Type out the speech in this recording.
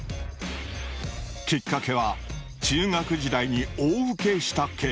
きっかけは中学時代に大ウケした経験。